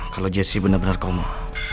kalau jessy bener bener koma